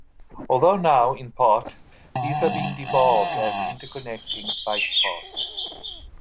Although now, in part, these are being devolved as interconnecting bike paths.